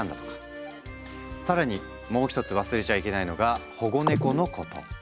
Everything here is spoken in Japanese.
更にもう一つ忘れちゃいけないのが「保護猫」のこと。